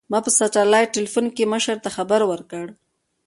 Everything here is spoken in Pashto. ما په سټلايټ ټېلفون کښې مشر ته خبر وركړ.